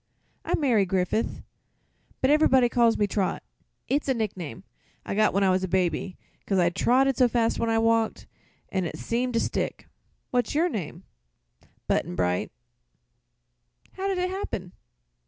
"I'm Mayre Griffith; but ever'body calls me 'Trot.' It's a nickname I got when I was a baby, 'cause I trotted so fast when I walked, an' it seems to stick. What's your name?" "Button Bright." "How did it happen?"